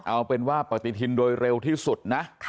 เอาเป็นว่าปฏิทินโดยเร็วที่สุดนะ